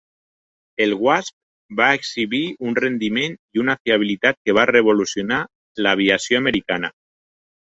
El Wasp va exhibir un rendiment i una fiabilitat que va revolucionar l'aviació americana.